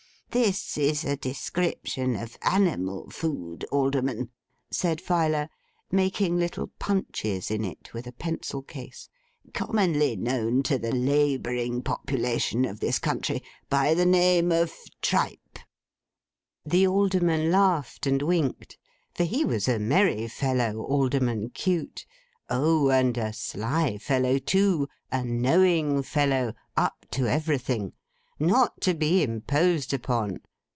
'This is a description of animal food, Alderman,' said Filer, making little punches in it with a pencil case, 'commonly known to the labouring population of this country, by the name of tripe.' The Alderman laughed, and winked; for he was a merry fellow, Alderman Cute. Oh, and a sly fellow too! A knowing fellow. Up to everything. Not to be imposed upon.